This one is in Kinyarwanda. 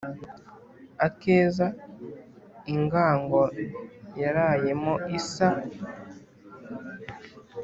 akeza ingango yarayemo isa